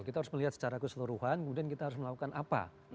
kita harus melihat secara keseluruhan kemudian kita harus melakukan apa